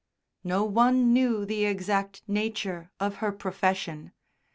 No one knew the exact nature of her profession.